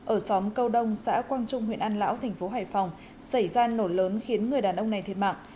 ở xóm câu đông xã quang trung huyện an lão thành phố hải phòng xảy ra nổ lớn khiến người đàn ông này thiệt mạng